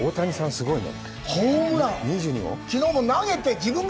すごいね。